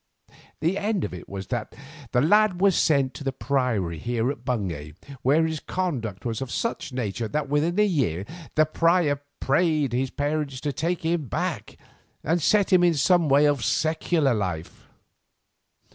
The end of it was that the lad was sent to the priory here in Bungay, where his conduct was of such nature that within a year the prior prayed his parents to take him back and set him in some way of secular life.